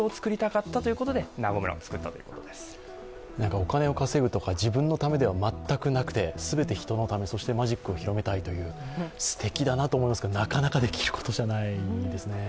お金を稼ぐとか、自分のためでは全くなくて、全て人のため、そしてマジックを広めたいというすてきなだなと思いますけど、なかなかできることじゃないですね。